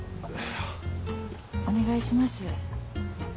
お願いします。